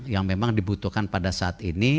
yang memang dibutuhkan pada saat ini